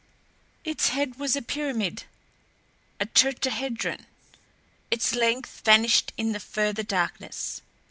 Its head was a pyramid, a tetrahedron; its length vanished in the further darkness.